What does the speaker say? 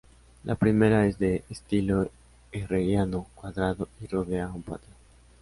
La primera es de estilo herreriano, cuadrado y rodea a un patio.